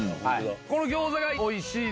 この餃子がおいしい。